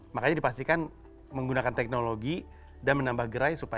makanya dipastikan menggunakan teknologi dan menambah gerai